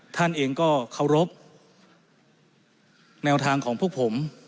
ท่านเองก็เคารพแนวทางของพวกผม